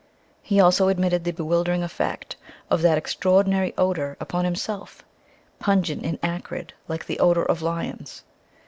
He also admitted the bewildering effect of "that extraordinary odor" upon himself, "pungent and acrid like the odor of lions."